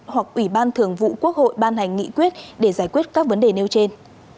hoặc ủy ban thường vụ quốc hội ban hành nghị quyết để giải quyết các vấn đề nêu trên